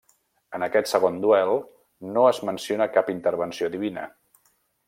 En aquest segon duel no es menciona cap intervenció divina.